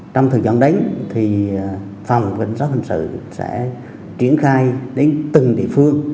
trong thời gian đánh phòng cảnh sát hình sự sẽ triển khai đến từng địa phương